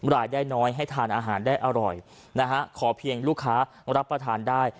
รายได้น้อยให้ทานอาหารได้อร่อยนะฮะขอเพียงลูกค้ารับประทานได้